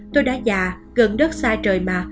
tôi đã già gần đất xa trời mà